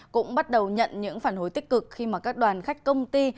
cũng bắt đầu nhận những phản hồi tích cực khi mà các đoàn khách công ty